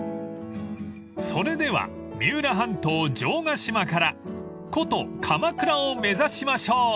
［それでは三浦半島城ヶ島から古都鎌倉を目指しましょう］